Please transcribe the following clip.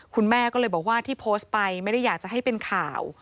คุณแม่ก็เลยบอกว่าที่โพสต์ไปไม่ได้อยากจะให้เป็นข่าว